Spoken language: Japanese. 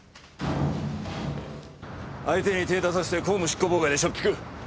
相手に手出させて公務執行妨害でしょっ引く。